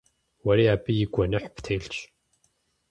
Уэри абы и гуэныхь птелъщ.